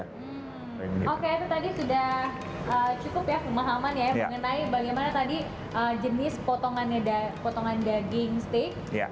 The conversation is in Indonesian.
hmm oke itu tadi sudah cukup ya pemahaman ya mengenai bagaimana tadi jenis potongan daging steak